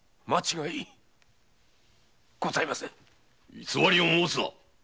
偽りを申すな！